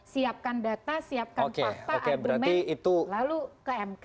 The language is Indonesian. siapkan data siapkan fakta argumen lalu ke mk